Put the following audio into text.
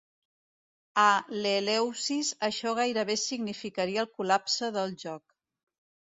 A l'Eleusis això gairebé significaria el col·lapse del joc.